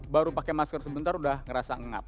baru pakai masker sebentar udah ngerasa ngap